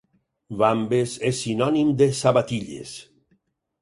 Vambes és sinònim de sabatilles